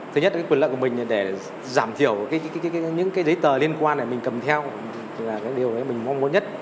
thứ nhất là quyền lợi của mình để giảm thiểu những cái giấy tờ liên quan này mình cầm theo là cái điều đấy mình mong muốn nhất